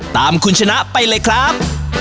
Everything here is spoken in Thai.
ตามคุณชนะไปเลยครับ